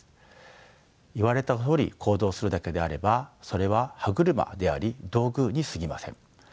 言われたとおり行動するだけであればそれは歯車であり道具にすぎません。